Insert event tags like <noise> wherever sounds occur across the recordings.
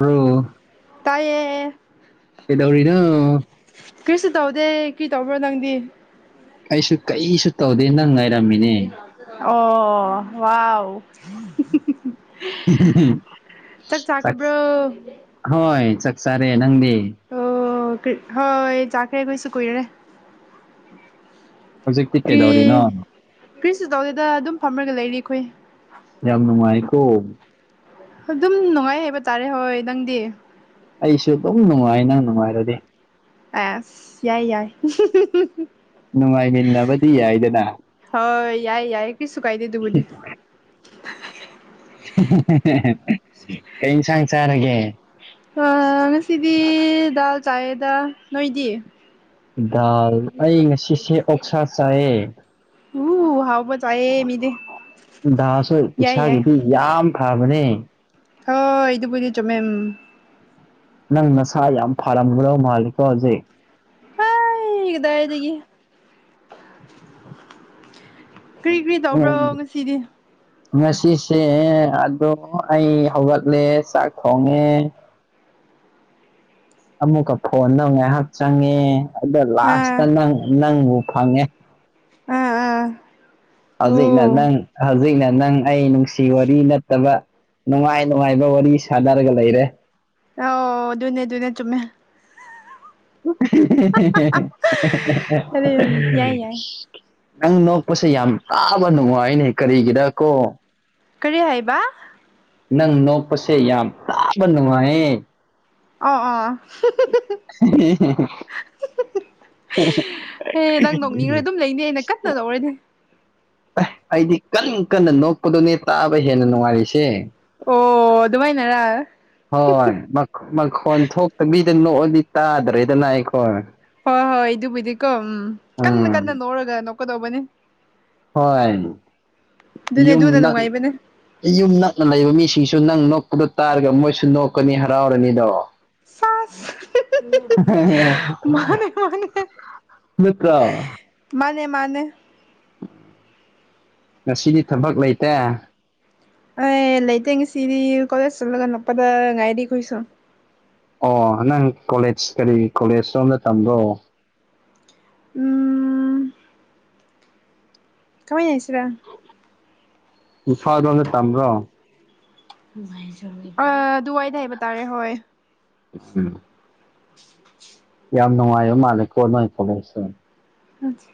ꯑꯣ ꯇꯌꯦ ꯀꯗꯧꯔꯤꯅ ꯀꯔꯤꯁꯨ ꯇꯧꯗꯦ ꯀꯔꯤ ꯇꯧꯕ꯭ꯔꯣ ꯅꯪꯗꯤ ꯑꯩꯁꯨ ꯀꯩꯁꯨ ꯇꯧꯗꯦ ꯅꯪ ꯉꯥꯏ ꯑꯣ ꯋꯥꯎ ꯆꯥꯛ ꯆꯥꯈ꯭ꯔꯕ꯭ꯔꯣ ꯍꯣꯏ ꯆꯥꯛ ꯆꯥꯔꯦ ꯅꯪꯗꯤ ꯑꯣ ꯍꯣꯏ ꯆꯈ꯭ꯔꯦ ꯀꯣꯏꯁꯨ ꯀꯨꯏꯔꯔꯦ ꯍꯧꯖꯤꯛꯇꯤ ꯀꯔꯤ ꯀꯩꯗꯧꯔꯤꯅꯣ ꯐ꯭ꯔꯤꯁꯨ ꯇꯧꯗꯦꯗ ꯑꯗꯨꯝ ꯐꯝꯔꯒ ꯂꯩꯔꯤ ꯑꯩꯈꯣꯏ ꯌꯥꯝ ꯅꯨꯡꯉꯥꯏꯀꯣ ꯑꯗꯨꯝ ꯅꯨꯡꯉꯥꯏ ꯍꯥꯏꯕ ꯇꯥꯔꯦ ꯍꯣꯏ ꯅꯪꯗꯤ ꯑꯩꯁꯨ ꯑꯗꯨꯝ ꯅꯨꯡꯉꯥꯏ ꯅꯪ ꯅꯨꯡꯉꯥꯏꯔꯗꯤ ꯑꯁ ꯌꯥꯏ ꯌꯥꯏ ꯅꯨꯡꯉꯥꯏꯃꯤꯟꯅꯕꯗꯤ ꯌꯥꯏꯗꯅ ꯍꯣꯏ ꯌꯥꯏ ꯌꯥꯏ ꯀꯁꯨꯨ ꯀꯥꯏꯗꯦ ꯑꯗꯨꯨꯕꯨ ꯀꯩ ꯏꯟꯁꯥꯡ ꯆꯥꯔꯒꯦ ꯉꯁꯤꯗꯤ ꯗꯥꯜ ꯆꯥꯏꯌꯦꯗ ꯅꯣꯏꯗꯤ ꯗꯥꯜ ꯑꯩ ꯉꯁꯤꯁꯦ ꯑꯣꯛꯁꯥ ꯆꯥꯏꯌꯦ ꯎ ꯍꯥꯎꯕꯠ ꯗꯥꯜꯁꯨ ꯌꯥꯏ ꯌꯥꯏ ꯏꯁꯥꯒꯤꯗꯤ ꯌꯥꯝ ꯐꯕꯅꯦ ꯍꯣꯏ ꯏꯗꯨꯕꯨꯗꯤ ꯆꯨꯝꯃꯦ ꯎꯝ ꯅꯪ ꯅꯁꯥ ꯌꯥꯝ ꯐꯥꯔꯝꯒꯗꯧ ꯃꯥꯜꯂꯤꯀꯣ ꯍꯧꯖꯤꯛ ꯍꯥꯏ ꯀꯗꯥꯏꯗꯒꯤ ꯀꯔꯤ ꯀꯔꯤ ꯇꯧꯕ꯭ꯔꯣ ꯑꯦꯝꯗꯤ ꯉꯁꯤꯗꯤ ꯉꯁꯤꯁꯦ ꯑꯗꯣ ꯑꯩ ꯍꯧꯒꯠꯂꯦ ꯆꯥꯛ ꯊꯣꯡꯉꯦ ꯑꯃꯨꯛꯀ ꯐꯣꯟꯗ ꯉꯥꯏꯍꯥꯛ ꯆꯪꯉꯦ ꯑꯗ ꯂꯥꯁꯇ ꯑꯥ ꯅꯪ ꯅꯪꯕꯨ ꯐꯪꯉꯦ ꯑꯥ ꯑꯥ ꯍꯧꯖꯤꯛꯅ ꯑꯣ ꯅꯪ ꯍꯧꯖꯤꯛꯅ ꯅꯪ ꯑꯩ ꯅꯨꯡ ꯁꯤ ꯋꯥꯔꯤ ꯅꯠꯇꯕ ꯅꯨꯡꯉꯥꯏ ꯅꯨꯡꯉꯥꯏꯕ ꯋꯥꯔꯤ ꯁꯥꯟꯅꯔꯒ ꯂꯩꯔꯦ ꯑꯣ ꯑꯗꯨꯅꯦ ꯑꯗꯨꯅꯦ ꯆꯨꯝꯃꯦ <unintelligible> ꯌꯥꯔꯦ ꯌꯥꯔꯦ ꯌꯥꯏ ꯌꯥꯏ ꯅꯪ ꯅꯣꯛꯄꯁꯦ ꯌꯥꯝ ꯇꯥꯕ ꯅꯨꯡꯉꯥꯏꯅꯦ ꯀꯔꯤꯒꯤꯔ ꯀꯣ ꯀꯔꯤ ꯍꯥꯏꯕ ꯅꯪ ꯅꯣꯛꯄꯁꯦ ꯌꯥꯝ ꯇꯥꯕ ꯅꯨꯡꯉꯥꯏꯌꯦ ꯑꯣ ꯑꯣ <unintelligible> ꯍꯦ‌ ꯅꯪ ꯅꯣꯛꯅꯤꯡꯔ ꯑꯗꯨꯝ ꯂꯩꯅꯤ ꯑꯩꯅ ꯀꯟꯅ ꯂꯧꯔꯗꯤ ꯑꯦ ꯑꯩꯗꯤ ꯀꯟ ꯀꯟꯅ ꯅꯣꯛꯄꯗꯨꯅꯦ ꯇꯥꯕ ꯍꯦꯟꯅ ꯅꯨꯡꯉꯥꯏꯔꯤꯁꯦ ꯑꯣ ꯑꯗꯨꯃꯥꯏꯅꯔꯥ ꯍꯣꯏ ꯃꯛ ꯃꯈꯣꯟ ꯊꯣꯛꯇꯕꯤꯗ ꯅꯣꯛꯑꯗꯤ ꯇꯥꯗ꯭ꯔꯦꯗꯅ ꯑꯩꯈꯣꯏ ꯍꯣꯏ ꯍꯣꯏ ꯏꯗꯨꯕꯨꯗꯤꯀꯣ ꯎꯝ ꯀꯟꯅ ꯎꯝ ꯀꯟꯅ ꯅꯣꯛꯔꯒ ꯅꯣꯛꯀꯗꯧꯕꯅꯤ ꯍꯣꯏ ꯌꯨꯝ ꯑꯗꯨꯅ ꯅꯛ ꯅꯨꯡꯉꯥꯏꯕꯅꯦ ꯌꯨꯝ ꯅꯛꯅ ꯂꯩꯕ ꯃꯤꯁꯤꯡꯁꯨ ꯅꯪ ꯅꯣꯛꯄꯗꯣ ꯇꯥꯔꯒ ꯃꯣꯏꯁꯨ ꯅꯣꯛꯀꯅꯤ ꯍꯔꯥꯎꯔꯅꯤꯗꯣ ꯁꯥꯁ ꯃꯥꯅꯦ ꯃꯥꯅꯦ ꯅꯠꯇ꯭ꯔꯣ ꯃꯥꯅꯦ ꯃꯥꯅꯦ ꯉꯁꯤꯗꯤ ꯊꯕꯛ ꯂꯩꯇꯦ ꯑꯩ ꯂꯩꯇꯦ ꯉꯁꯤꯗꯤ ꯀꯣꯂꯦꯖ ꯆꯠꯂꯒ ꯍꯜꯂꯛꯄꯗ ꯉꯥꯏꯔꯤ ꯑꯩꯈꯣꯏꯁꯨ ꯑꯣ ꯅꯪ ꯀꯣꯂꯦꯖ ꯀꯔꯤ ꯀꯣꯂꯦꯖ ꯔꯣꯝꯗ ꯇꯝꯕ꯭ꯔꯣ ꯎꯝ ꯀꯃꯥꯏꯅ ꯍꯥꯏꯁꯤꯔ ꯏꯝꯐꯥꯜ ꯔꯣꯝꯗ ꯇꯝꯕ꯭ꫪꯣ ꯑ ꯑꯗꯨꯋꯥꯏꯗ ꯍꯥꯏꯕ ꯇꯥꯔꯦ ꯍꯣꯏ ꯎꯝ ꯌꯥꯝ ꯅꯨꯡꯉꯥꯏꯕ ꯃꯥꯜꯂꯦꯀꯣ ꯅꯣꯏ ꯈꯨꯂꯩꯁꯦ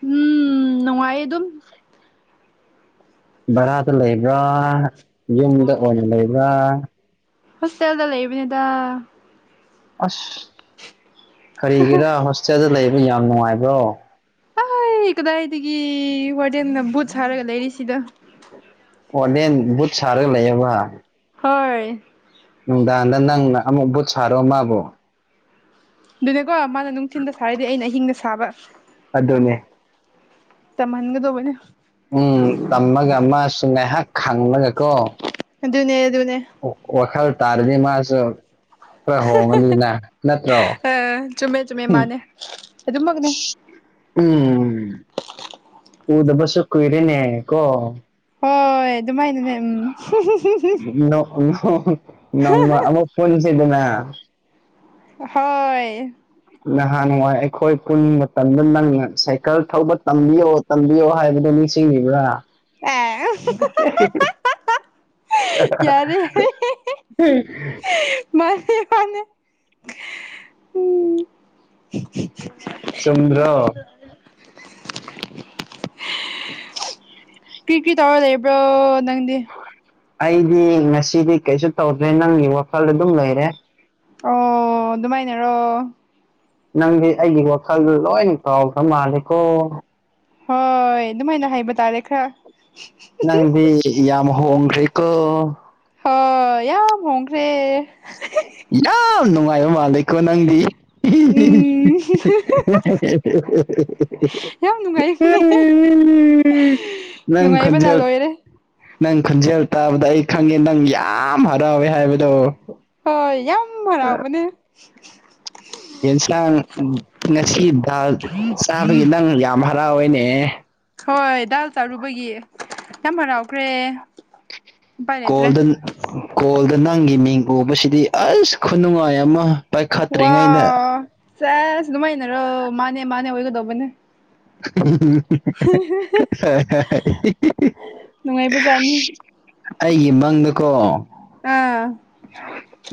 ꯎꯝ ꯅꯨꯡꯉꯥꯏꯌꯦ ꯑꯗꯨꯝ ꯚꯔꯥꯗ ꯂꯩꯕ꯭ꯔꯥ ꯌꯨꯝꯗ ꯑꯣꯏꯅ ꯂꯩꯕ꯭ꯔꯥ ꯍꯣꯁꯇꯦꯜꯗ ꯂꯩꯕꯤꯅꯤꯗ ꯑꯁ ꯀꯔꯤꯒꯤꯔꯥ ꯍꯣꯁꯇꯦꯜꯗ ꯂꯩꯕ ꯌꯥꯝ ꯅꯨꯡꯉꯥꯏꯕ꯭ꯔꯣ ꯑꯩ ꯀꯗꯥꯏꯗꯒꯤ ꯋꯥꯔꯗꯦꯜꯟꯅ ꯕꯨꯠ ꯁꯥꯔꯒ ꯂꯩꯔꯤꯁꯤꯗ ꯋꯥꯔꯗꯦꯟ ꯕꯨꯠ ꯁꯥꯔꯒ ꯂꯩ ꯍꯥꯏꯕ ꯍꯣꯏ ꯅꯨꯡꯗꯥꯡꯗ ꯅꯪꯅ ꯑꯃꯨꯛ ꯚꯨꯠ ꯁꯥꯔꯣ ꯃꯥꯕꯨ ꯑꯗꯨꯅꯦꯀꯣ ꯃꯥꯅ ꯅꯨꯡꯊꯤꯟꯗ ꯁꯥꯔꯗꯤ ꯑꯩꯅ ꯑꯍꯤꯡꯗ ꯁꯥꯕ ꯑꯗꯨꯅꯦ ꯇꯝꯍꯟꯒꯗꯧꯕꯅꯦ ꯎꯝ ꯇꯝꯃꯒ ꯃꯥꯁꯨ ꯉꯥꯏꯍꯥꯛ ꯈꯪꯂꯒ ꯀꯣ ꯑꯗꯨꯅꯦ ꯑꯗꯨꯅꯦ ꯑꯣꯛ ꯋꯥꯈꯜ ꯇꯥꯔꯗꯤ ꯃꯥꯁꯨ ꯈꯔ ꯍꯣꯡꯉꯅꯤꯅ ꯅꯠꯇ꯭ꯔꯣ ꯑ ꯆꯨꯝꯃꯦ ꯆꯨꯝꯃꯦ ꯃꯥꯅꯦ ꯑꯗꯨꯃꯛꯅꯦ ꯎꯝ ꯎꯗꯕꯁꯨ ꯀꯨꯏꯔꯅꯦ ꯀꯣ ꯍꯣꯏ ꯑꯗꯨꯃꯥꯏꯅꯅꯦ ꯎꯝ ꯅꯣꯡꯃ ꯑꯃꯨꯛ ꯄꯨꯟꯁꯤꯗꯅ ꯍꯣꯏ ꯅꯍꯥꯟ ꯋꯥꯏ ꯑꯩꯈꯣꯏ ꯄꯨꯟ ꯃꯇꯝꯗ ꯅꯪꯅ ꯁꯥꯏꯀꯜ ꯊꯧꯕ ꯇꯝꯕꯤꯌꯣ ꯇꯝꯕꯤꯌꯣ ꯍꯥꯏꯕꯗꯣ ꯅꯤꯡꯁꯤꯡꯉꯤꯕ꯭ꯔꯥ ꯑꯦ <unintelligible> ꯌꯥꯔꯦ <unintelligible> ꯃꯥꯅꯦ ꯃꯥꯅꯦ ꯎꯝ ꯆꯨꯝꯗ꯭ꯔꯣ <inaudible> ꯀꯔꯤ ꯀꯔꯤ ꯇꯧꯔ ꯂꯩꯕ꯭ꯔꯣ ꯅꯪꯗꯤ ꯑꯩꯗꯤ ꯉꯁꯤꯗꯤ ꯀꯩꯁꯨ ꯇꯧꯗ꯭ꯔꯦ ꯅꯪꯒꯤ ꯋꯥꯈꯜ ꯑꯗꯨꯝ ꯂꯩꯔꯦ ꯑꯣ ꯑꯗꯨꯃꯥꯏꯅꯔꯣ ꯅꯪꯗꯤ ꯑꯩꯒꯤ ꯋꯥꯈꯜꯗ ꯂꯣꯏ ꯀꯥꯎꯈ꯭ꯔ ꯃꯥꯜꯂꯦꯀꯣ ꯍꯣꯏ ꯑꯗꯨꯃꯥꯏꯅ ꯍꯥꯏꯕ ꯇꯥꯔꯦ ꯈꯔ ꯅꯪꯗꯤ ꯌꯥꯝ ꯍꯣꯡꯈ꯭ꯔꯦꯀꯣ ꯍꯣꯢ ꯌꯥꯝ ꯍꯣꯡꯈ꯭ꯔꯦ ꯌꯥꯝ ꯅꯨꯡꯉꯥꯏꯕ ꯃꯥꯜꯂꯦ ꯀꯣ ꯅꯪꯗꯤ <inaudible> ꯎꯝ <unintelligible> ꯌꯥꯝ ꯅꯨꯡꯉꯥꯏꯕꯅꯦ ꯅꯪ ꯅꯨꯡꯉꯥꯏꯕꯅ ꯈꯣꯟꯖꯦꯜ ꯂꯣꯏꯔꯦ ꯅꯪ ꯈꯨꯟꯖꯦꯜ ꯇꯥꯕꯗ ꯑꯩ ꯈꯪꯉꯦ ꯅꯪ ꯌꯥꯝ ꯍꯔꯥꯎꯋꯦ ꯍꯥꯏꯕꯗꯣ ꯍꯣꯏ ꯌꯥꯝ ꯍꯔꯥꯎꯕꯅꯦ ꯌꯦꯟꯁꯥꯡ ꯉꯁꯤ ꯗꯥꯜ ꯆꯥꯕꯒꯤ ꯅꯪ ꯌꯥꯝ ꯍꯔꯥꯎꯏꯅꯦ ꯍꯣꯏ ꯗꯥꯜ ꯆꯥꯔꯨꯕꯒꯤ ꯌꯥꯝ ꯍꯔꯥꯎꯈ꯭ꯔꯦ ꯎꯄꯥꯏ ꯂꯩꯇ꯭ꯔꯦ ꯀꯣꯜꯗ ꯀꯣꯜꯗ ꯅꯪꯒꯤ ꯃꯤꯡ ꯎꯕꯁꯤꯗꯤ ꯑꯁ ꯈꯨꯅꯨꯡꯉꯥꯏ ꯑꯃ ꯋꯥ ꯄꯥꯏꯈꯠꯇ꯭ꯔꯤꯉꯩꯗ ꯆꯁ ꯅꯨꯡꯃꯥꯏꯅꯔꯣ ꯃꯥꯅꯦ ꯃꯥꯅꯦ ꯑꯣꯏꯒꯗꯧꯕꯅꯦ ꯅꯨꯡꯉꯥꯏꯕꯖꯥꯠꯅꯤ <unintelligible> ꯑꯩꯒꯤ ꯃꯪꯗꯀꯣ ꯑꯥ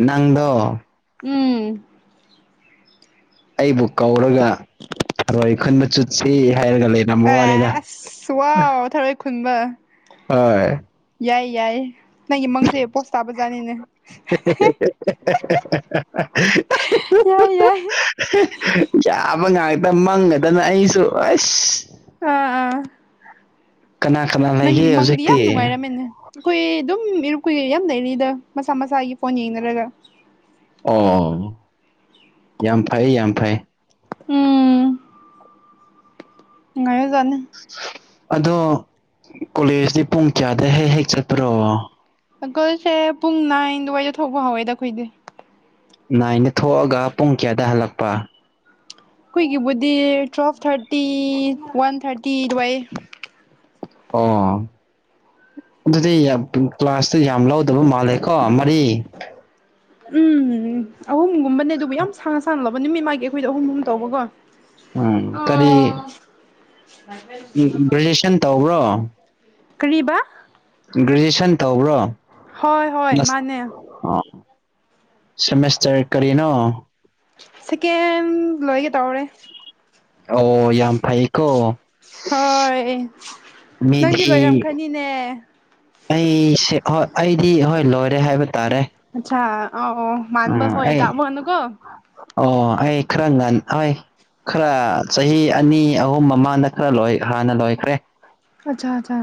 ꯅꯪꯗꯣ ꯎꯝ ꯑꯩꯕꯨ ꯀꯧꯔꯒ ꯊꯔꯣꯏ ꯈꯨꯟꯕ ꯆꯠꯁꯤ ꯍꯥꯏꯔꯒ ꯂꯩꯔꯝꯕ ꯋꯥꯅꯤꯗ ꯑꯁ ꯋꯥꯎ ꯊꯔꯣꯏ ꯈꯨꯟꯕ ꯍꯣꯏ ꯌꯥꯏ ꯌꯥꯏꯌꯦ ꯅꯪꯒꯤ ꯃꯪꯁꯦ ꯄꯣꯁ ꯇꯥꯕ ꯖꯥꯠꯅꯤꯅꯦ ꯌꯥꯏ ꯌꯥꯏ <unintelligible> ꯌꯥꯕ ꯉꯥꯛꯇ ꯃꯪꯉꯗꯅ ꯑꯩꯁꯨ ꯑꯁ ꯑꯥ ꯑꯥ ꯀꯅꯥ ꯀꯅꯥ ꯅꯪꯒꯤ ꯂꯩꯒꯦ ꯃꯪꯗꯤ ꯌꯥꯝ ꯍꯧꯖꯤꯛꯇꯤ ꯅꯨꯡꯉꯥꯏꯔꯝꯃꯦꯅꯦ ꯑꯩꯈꯣꯏ ꯑꯗꯨꯝ ꯏꯔꯨꯞ ꯀꯨꯏꯔꯩ ꯌꯥꯝ ꯂꯩꯔꯤꯗ ꯃꯁꯥ ꯃꯁꯥꯒꯤ ꯐꯣꯟ ꯌꯦꯡꯅꯔꯒ ꯑꯣ ꯌꯥꯝ ꯐꯩ ꯌꯥꯝ ꯐꯩ ꯎꯝ ꯅꯨꯡꯉꯥꯏꯔꯖꯥꯠꯅꯤ ꯑꯗꯣ ꯀꯣꯂꯦꯖꯇꯤ ꯄꯨꯡ ꯀꯌꯥꯗ ꯍꯦꯛ ꯍꯦꯛ ꯆꯠꯄ꯭ꯔꯣ ꯑꯪꯀꯜꯁꯦ ꯄꯨꯡ ꯅꯥꯏꯟ ꯑꯗꯨꯋꯥꯏꯗ ꯊꯧꯕ ꯍꯧꯋꯦꯗ ꯑꯩꯈꯣꯏꯗꯤ ꯅꯥꯏꯟꯗ ꯊꯣꯛꯑꯒ ꯄꯨꯡ ꯀꯌꯥꯗ ꯍꯜꯂꯛꯄ ꯑꯩꯈꯣꯏꯒꯤꯕꯨꯗꯤ ꯇ꯭ꯋꯦꯜ ꯊꯥꯔꯇꯤ ꯋꯥꯟ ꯊꯥꯔꯇꯤ ꯑꯗꯨꯋꯥꯏ ꯑꯣ ꯑꯗꯨꯗꯤ ꯌꯥꯝ <unintelligible> ꯀ꯭ꯂꯥꯁꯇꯨ ꯌꯥꯝ ꯂꯧꯗꯕ ꯃꯥꯜꯂꯦꯀꯣ ꯃꯔꯤ ꯎꯝ ꯑꯍꯨꯝꯒꯨꯝꯕꯅꯦ ꯑꯗꯨꯕꯨ ꯌꯥꯝ ꯁꯥꯡꯅ ꯁꯥꯡꯅ ꯂꯕ ꯅꯨꯃꯤꯠ ꯃꯥꯒꯤ ꯑꯩꯈꯣꯏꯗ ꯑꯍꯨꯝ ꯑꯍꯨꯝ ꯇꯧꯕꯀꯣ ꯎꯝ ꯀꯔꯤ ꯎ ꯒ꯭ꯔꯦꯖꯨꯑꯦꯁꯟ ꯇꯧꯕ꯭ꯔꯣ ꯀꯔꯤꯕꯥ ꯒ꯭ꯔꯦꯖꯨꯑꯌꯦꯁꯟ ꯇꯧꯕ꯭ꯔꯣ ꯍꯣꯏ ꯍꯣꯏ ꯃꯥꯅꯦ ꯑ ꯁꯦꯃꯦꯁꯇꯔ ꯀꯔꯤꯅꯣ ꯁꯦꯀꯦꯟ ꯂꯣꯏꯒꯦ ꯇꯧꯔꯦ ꯑꯣ ꯌꯥꯝ ꯐꯩꯀꯣ ꯄ <inaudible> ꯅꯪꯗꯤ ꯃꯤꯗꯤ ꯂꯣꯏꯔꯝꯈꯅꯤꯅꯦ ꯑꯩꯁꯦ ꯍꯣꯏ ꯑꯩꯗꯤ ꯍꯣꯏ ꯂꯣꯏꯔꯦ ꯍꯥꯏꯕ ꯇꯥꯔꯦ ꯑꯠꯁꯥ ꯑꯣ ꯑꯣ ꯎꯝ ꯑꯩ ꯑꯣ ꯑꯩ ꯈ꯭ꯔꯒꯜ ꯍꯣꯏ ꯈꯔ ꯆꯍꯤ ꯑꯅꯤ ꯑꯍꯨꯝ ꯃꯃꯥꯡꯗ ꯈꯔ ꯂꯣꯏ ꯍꯥꯟꯅ ꯂꯣꯏꯈ꯭ꯔꯦ ꯑꯠꯆꯥ ꯑꯠꯆꯥ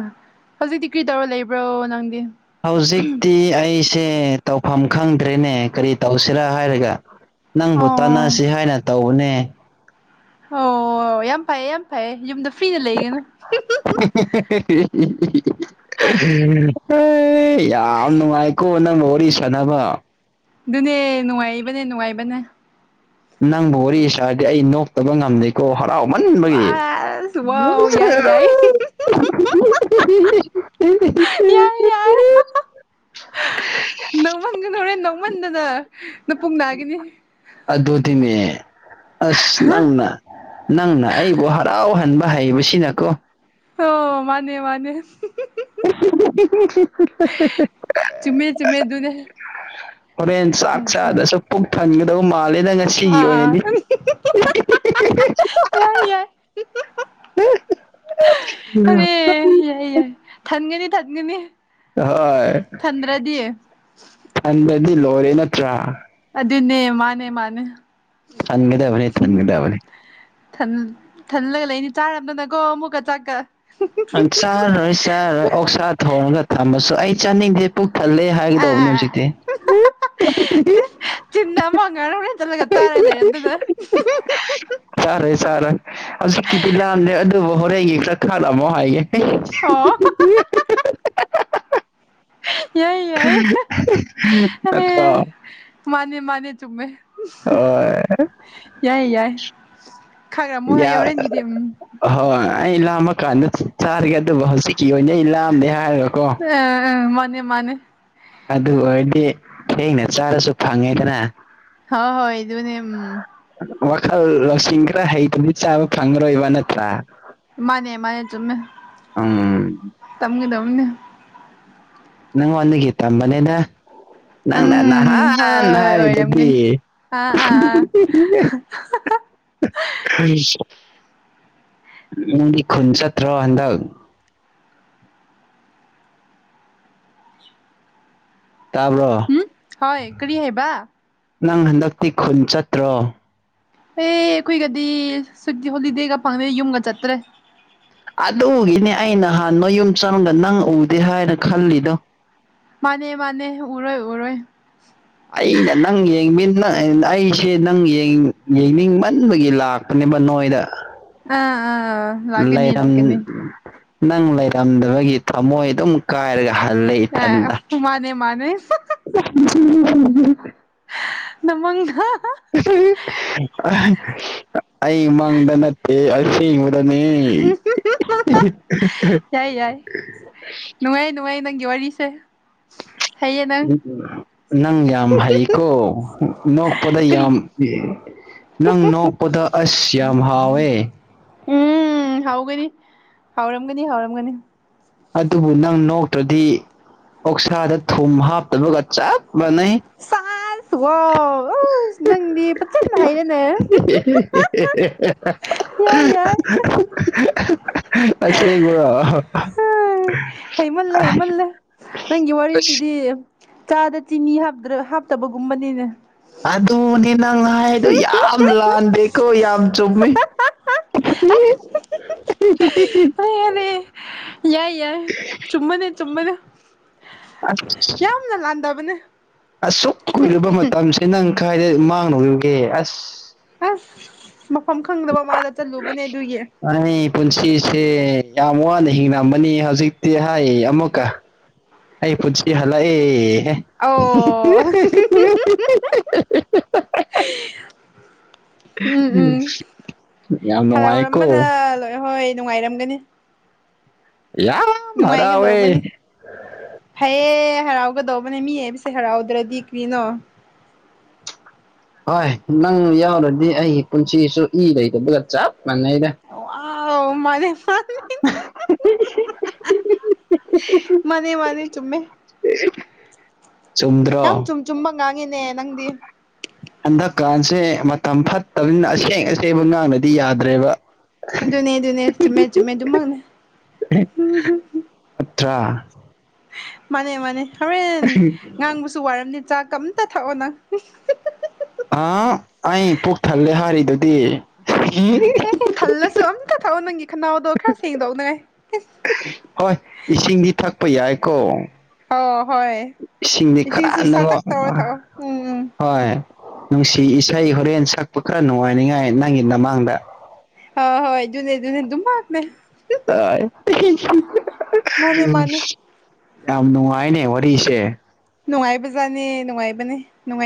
ꯍꯧꯖꯤꯛꯇꯤ ꯀꯔꯤ ꯇꯧꯔ ꯂꯩꯕ꯭ꯔꯣ ꯅꯪꯗꯤ ꯍꯧꯖꯤꯛꯇꯤ ꯑꯩꯁꯦ ꯇꯧꯐꯝ ꯈꯪꯗ꯭ꯔꯦꯅꯦ ꯀꯔꯤ ꯇꯧꯁꯤꯔꯥ ꯍꯥꯏꯔꯒ ꯅꯪꯕꯨ ꯑꯣ ꯇꯥꯟꯅꯁꯤ ꯍꯥꯏꯅ ꯇꯧꯕꯅꯦ ꯑꯣ ꯌꯥꯝ ꯐꯩꯌꯦ ꯌꯥꯝ ꯐꯩꯌꯦ ꯌꯨꯝꯗ ꯐꯔ꯭ꯤꯗ ꯂꯩꯒꯅꯨ <unintelligible> ꯌꯥꯝ ꯅꯨꯡꯉꯥꯏꯀꯣ ꯅꯪꯒꯥ ꯋꯥꯔꯤ ꯁꯟꯅꯥꯕ ꯑꯗꯨꯅꯦ ꯅꯨꯡꯉꯥꯏꯕꯅꯦ ꯅꯨꯡꯉꯥꯏꯕꯅꯦ ꯅꯪꯕꯨ ꯋꯥꯔꯤ ꯏꯁꯔꯗꯤ ꯑꯩ ꯅꯣꯛꯇꯕ ꯉꯝꯗꯦꯀꯣ ꯍꯔꯥꯎꯃꯟꯕꯒꯤ ꯑꯁ ꯋꯥꯎ ꯌꯥꯏ ꯌꯥꯏ <unintelligible> ꯌꯥꯏ ꯌꯥꯔ ꯅꯣꯡꯃꯟꯁ <unintelligible> ꯅꯣꯡꯃꯟꯗꯅ ꯅꯄꯨꯛ ꯅꯥꯒꯤꯅꯤ ꯑꯗꯨꯗꯤꯅꯦ ꯑꯁ ꯅꯪꯅ ꯅꯪꯅ ꯑꯩꯕꯨ ꯍꯔꯥꯎꯍꯟꯕ ꯍꯩꯕ ꯁꯤꯅꯀꯣ ꯑꯣ ꯃꯥꯅꯦ ꯃꯥꯅꯦ ꯆꯨꯝꯃꯦ ꯆꯨꯝꯃꯦ ꯑꯗꯨꯅꯦ <unintelligible> ꯍꯣꯔꯦꯟ ꯆꯥꯛ ꯑꯥ ꯆꯥꯗꯁꯨ ꯄꯨꯛ ꯊꯟꯒꯗꯧꯕ ꯃꯥꯜꯂꯤꯗꯪ ꯉ ꯁꯤꯒꯤ ꯑꯣꯏꯅꯤ ꯑꯥ ꯌꯥꯏ ꯌꯥꯏ <unintelligible> ꯑꯔꯦ ꯌꯥꯏ ꯌꯥꯏ ꯊꯥꯟꯒꯅꯤ ꯊꯥꯟꯒꯅꯤ ꯍꯣꯏ ꯊꯟꯗ꯭ꯔꯗꯤ ꯈꯟꯕꯗꯤ ꯂꯣꯏꯔꯦ ꯅꯠꯇ꯭ꯔꯥ ꯑꯗꯨꯅꯦ ꯃꯥꯅꯦ ꯃꯥꯅꯦ ꯊꯒꯗꯦꯕꯅꯤ ꯊꯟꯒꯗꯦꯕꯅꯤ ꯊꯜꯂꯒ ꯂꯩꯅꯤ ꯆꯥꯔꯝꯗꯅꯀꯣ ꯑꯃꯨꯛꯀ ꯆꯥꯛꯀ ꯑꯪ ꯆꯥꯔꯣꯏ ꯆꯥꯔꯣꯏ ꯑꯣꯛꯁꯥ ꯊꯣꯡꯔꯒ ꯊꯝꯃꯁꯨ ꯑꯩ ꯆꯥꯅꯤꯡꯗꯦ ꯄꯨꯛ ꯊꯜꯂꯦ ꯍꯥꯏꯒꯗꯧꯕꯅꯦ ꯍꯧꯖꯤꯛꯇꯤ ꯆꯤꯜꯗ ꯑꯃ <unintelligible> ꯆꯠꯂꯒ ꯆꯥꯔ ꯂꯩꯔꯦ ꯑꯗꯨꯅ ꯆꯥꯔꯦ ꯆꯥꯔꯦ ꯍꯧꯖꯤꯛꯀꯤꯗꯤ ꯂꯥꯝꯗꯦ ꯑꯗꯨꯕꯨ ꯍꯣꯔꯦꯟꯒꯤ ꯈꯔ ꯈꯥꯂꯛꯑꯃꯣ ꯍꯥꯏꯒꯦ <unintelligible> ꯌꯥꯏ ꯌꯥꯏ ꯑꯔꯦ <unintelligible> ꯃꯥꯅꯦ ꯃꯥꯅꯦ ꯆꯨꯝꯃꯦ ꯍꯣꯏ ꯌꯥꯏ ꯌꯥꯏ ꯈꯪꯔꯝꯃꯣ ꯍꯣꯏ ꯍꯣꯔꯦꯟꯒꯤꯗꯤ ꯎꯝ ꯑꯍꯣꯏ ꯑꯩ ꯂꯥꯝꯃꯀꯥꯟꯗ ꯆꯥꯔꯒꯦ ꯑꯗꯨꯕꯨ ꯍꯧꯖꯤꯛꯀꯤ ꯑꯣꯏꯅꯗꯤ ꯑꯩ ꯂꯥꯑꯝꯗꯦ ꯍꯥꯏꯔꯒꯀꯣ ꯃꯥꯅꯦ ꯃꯥꯅꯦ ꯑꯗꯨ ꯑꯣꯏꯔꯗꯤ ꯊꯦꯡꯅ ꯆꯥꯔꯁꯨ ꯐꯪꯉꯦꯗꯅ ꯍ ꯍꯣꯏ ꯏꯗꯨꯅꯦ ꯎꯝ ꯋꯥꯈꯜ ꯂꯧꯁꯤꯡ ꯈꯔ ꯍꯩꯇꯗꯤ ꯆꯥꯕ ꯐꯪꯉꯔꯣꯏꯕ ꯅꯠꯇ꯭ꯔꯥ ꯃꯥꯅꯦ ꯃꯥꯅꯦ ꯆꯨꯝꯃꯦ ꯎꯝ ꯇꯝꯒꯗꯕꯅꯤꯅꯦ ꯅꯪ ꯑꯣꯅꯤꯒꯤ ꯇꯝꯕꯅꯦꯅ ꯅꯪꯅ ꯎꯝ ꯅꯍꯥꯟ ꯍꯣꯏ ꯍꯥꯏ ꯑꯗꯨꯗꯤ ꯑꯣꯏꯔꯝꯒꯅꯤ ꯑꯥ ꯑꯥ ꯑꯥ <unintelligible> ꯅꯪꯗꯤ ꯈꯨꯟ ꯆꯠꯇ꯭ꯔꯣ ꯍꯟꯗꯛ ꯇꯥꯕꯔꯣ ꯎꯝ ꯍꯣꯏ ꯀꯔꯤ ꯍꯥꯏꯕ ꯅꯪ ꯍꯟꯗꯛꯇꯤ ꯈꯨꯟ ꯆꯠꯇ꯭ꯔꯣ ꯑꯦ ꯑꯩꯈꯣꯏꯒꯗꯤ ꯁꯨ ꯍꯣꯂꯤꯗꯦꯒ ꯐꯪꯃꯦ ꯌꯨꯝꯒ ꯆꯠꯇ꯭ꯔꯦ ꯑꯗꯨꯒꯤꯅꯦ ꯑꯩ ꯅꯍꯥꯟ ꯅ ꯌꯨꯝ ꯆꯪꯗ ꯅꯪ ꯎꯗꯦ ꯍꯥꯏꯅ ꯈꯜꯂꯤꯗꯣ ꯃꯥꯅꯦ ꯃꯥꯅꯦ ꯎꯔꯣꯏ ꯎꯔꯣꯏ ꯑꯩꯅ ꯅꯪ ꯑꯩꯁꯦ ꯅꯪ ꯌꯦꯡꯅꯤꯡꯃꯟꯕꯒꯤ ꯂꯥꯛꯄ ꯑꯅꯤꯃꯛ ꯅꯣꯏꯗ ꯑꯥ ꯑꯥ ꯂꯥꯛꯀꯅꯤ ꯂꯩꯔꯝ ꯂꯥꯛꯀꯅꯤ ꯅꯪ ꯂꯩꯔꯝꯗꯕꯒꯤ ꯊꯝꯃꯣꯏ ꯑꯗꯨꯝ ꯀꯥꯏꯔꯒ ꯍꯜꯂꯦ ꯑꯦ ꯏꯊꯟꯗ ꯇꯨ ꯃꯥꯅꯦ ꯃꯥꯅꯦ <unintelligible> ꯅꯃꯒ <unintelligible> ꯑꯩꯃꯪꯗ ꯅꯠꯇꯦ ꯑꯁꯦꯡꯕ ꯅꯤ ꯌꯥꯏ ꯌꯥꯏ ꯅꯨꯡꯉꯥꯏ ꯅꯨꯡꯉꯥꯏ ꯅꯪꯒꯤ ꯋꯥꯔꯤꯁꯦ ꯍꯩꯌꯦ ꯅꯪ ꯅꯡ ꯌꯥꯝ ꯍꯩ ꯀꯣ ꯅꯣꯛ ꯅꯡ ꯅꯣꯀ ꯀꯔꯤ ꯌꯥꯝ ꯅꯪ ꯅꯣꯛꯄꯗ ꯑꯁ ꯌꯥꯝ ꯍꯥꯎꯋꯦ ꯎꯝ ꯍꯥꯎꯒꯅꯤ ꯍꯥꯎꯔꯝꯒꯅꯤ ꯍꯥꯎꯔꯝꯒꯅꯤ ꯑꯗꯨꯕꯨ ꯅꯪ ꯅꯣꯛꯇ꯭ꯔꯗꯤ ꯑꯣꯛꯁꯥꯗ ꯊꯨꯝ ꯍꯥꯞꯇꯕꯒ ꯆꯞ ꯃꯥꯟꯅꯩ ꯁꯦꯁ ꯋꯥꯑꯣꯏ ꯑꯣ ꯅꯪꯗꯤ ꯄꯠꯁꯟꯅ ꯍꯥꯏꯅꯅꯦ ꯌꯥꯏ ꯌꯥꯏ <unintelligible> ꯍꯩꯃꯜꯂꯦ ꯍꯩꯃꯜꯂꯦ <unintelligible> ꯅꯪꯒꯤ ꯑꯁ ꯋꯥꯔꯤꯁꯤꯗꯤ ꯆꯥꯗ ꯆꯤꯅꯤ ꯍꯥꯞꯇꯕꯒꯨꯝꯕꯅꯤꯅꯦ ꯑꯗꯨꯅꯦ ꯅꯪ ꯍꯥꯏꯗꯣ ꯌꯥꯝ ꯂꯥꯟꯗꯦꯀꯣ ꯌꯥꯝ ꯆꯨꯝꯃꯦ <unintelligible> ꯌꯥꯔꯦ ꯌꯥꯏ ꯌꯥꯏ ꯆꯨꯝꯕꯗꯣ ꯑꯁ ꯌꯥꯝꯅ ꯂꯥꯟꯗꯕꯅꯦ ꯑꯁꯨꯛ ꯀꯨꯏꯔꯕ ꯃꯇꯝꯁꯤ ꯅꯪ ꯀꯗꯥꯏꯗ ꯃꯥꯡꯅꯧꯔꯤꯕꯨꯒꯦ ꯑꯁ ꯑꯁ ꯃꯐꯝ ꯈꯪꯗꯕ ꯑꯃꯗ ꯆꯠꯂꯨꯕꯅꯦ ꯑꯗꯨꯒꯤ ꯑꯩ ꯄꯨꯟꯁꯤꯁꯦ ꯌꯥꯝ ꯋꯥꯅ ꯍꯤꯡ ꯉꯝꯕꯅꯤ ꯍꯧꯖꯤꯛꯇꯤ ꯍꯥꯏ ꯑꯃꯨꯛꯀ ꯑꯩ ꯄꯨꯟꯁꯤ ꯍꯜꯂꯛꯏ ꯑꯣ ꯎꯝ ꯎꯝ <unintelligible> ꯌꯥꯝ ꯅꯨꯡꯉꯥꯏꯀꯣ ꯍꯔꯥꯎꯔꯝꯕꯅ ꯂꯣꯏ ꯍꯣꯏ ꯅꯨꯡꯉꯥꯏꯔꯝꯒꯅꯤ ꯌꯥꯝ ꯍꯔꯥꯎꯋꯦ ꯅꯨꯉꯥꯏꯒꯗꯧꯕꯅꯤ ꯐꯩꯌꯦ ꯍꯔꯥꯎꯒꯗꯧꯕꯅꯦ ꯃꯤ ꯍꯥꯏꯕꯁꯦ ꯍꯔꯥꯎꯗ꯭ꯔꯗꯤ ꯀ꯭ꯔꯤꯅꯣ ꯍꯣꯏ ꯅꯪ ꯌꯥꯎꯔꯗꯤ ꯑꯩ ꯄꯨꯟꯁꯤꯁꯨ ꯏ ꯂꯩꯗꯕꯒ ꯆꯞ ꯃꯥꯟꯅꯩꯗ ꯋꯥꯎꯏ ꯃꯥꯅꯦ ꯃꯥꯅꯦ ꯆꯨꯝꯃꯦ ꯆꯨꯝꯗ꯭ꯔꯣ ꯌꯥꯝ ꯆꯨꯝ ꯆꯨꯝꯕ ꯉꯥꯡꯉꯤꯅꯦ ꯅꯪꯗꯤ ꯍꯟꯗꯛꯀꯥꯟꯁꯦ ꯃꯇꯝ ꯐꯠꯇꯕꯅꯤꯅ ꯑꯁꯦꯡ ꯑꯁꯦꯡꯕ ꯉꯥꯡꯅꯗꯤ ꯌꯥꯗ꯭ꯔꯦꯕ ꯑꯗꯨꯅꯦ ꯑꯗꯨꯅꯦ ꯆꯨꯝꯃꯦ ꯆꯨꯝꯃꯦ ꯑꯗꯨꯃꯛꯅꯦ ꯎꯝ ꯑꯊꯔ꯭ ꯃꯥꯅꯦ ꯃꯥꯅꯦ ꯍꯣꯔꯦꯟ ꯉꯥꯡꯕꯁꯨ ꯋꯥꯔꯝꯅꯤ ꯆꯥ ꯀꯞꯊꯛꯑꯣ ꯅꯪ ꯑ ꯑꯩ ꯄꯨꯛ ꯊꯜꯂꯦ ꯍꯥꯏꯔꯤꯗꯨꯗꯤ ꯑꯦ ꯊꯜꯂꯁꯨ ꯑꯝꯇ ꯊꯛꯑꯣ ꯅꯪꯒꯤ ꯈꯅꯥꯎꯗꯣ ꯈꯔ ꯁꯦꯡꯗꯣꯛꯅꯉꯥꯏ ꯍꯣꯏ ꯏꯁꯤꯡꯗꯤ ꯊꯛꯄ ꯌꯥꯏꯀꯣ ꯑꯣ ꯍꯣꯏ ꯏꯁꯤꯡꯗꯤ ꯈꯔ ꯏꯁꯤꯡꯁꯨ ꯅꯪ ꯁꯥꯇꯛ ꯇꯧꯔ ꯊꯛꯑꯣ ꯎꯝ ꯎꯝ ꯍꯣꯏ ꯅꯨꯡꯁꯤ ꯏꯁꯩ ꯍꯣꯔꯦꯟ ꯁꯛꯄ ꯈꯔ ꯅꯨꯡꯉꯥꯏꯅꯤꯉꯥꯏ ꯅꯪꯒꯤ ꯅꯃꯥꯡꯗ ꯑ ꯍꯣꯏ ꯑꯗꯨꯅꯦ ꯑꯗꯨꯨꯅꯦ ꯑꯗꯨꯝꯃꯛꯅꯦ ꯍꯣꯏ ꯃꯥꯅꯦ ꯃꯥꯅꯦ ꯌꯥꯝ ꯅꯨꯡꯉꯥꯏꯅꯦ ꯋꯥꯔꯤꯁꯦ ꯅꯨꯡꯉꯥꯏꯕꯖꯥꯅꯤ ꯅꯨꯡꯉꯥꯏꯕꯅꯦ ꯅꯨꯡꯉꯥꯏ